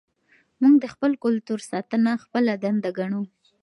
موږ د خپل کلتور ساتنه خپله دنده ګڼو.